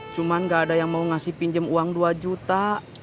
cuma gaada yang mau ngasih pinjem uang dua juta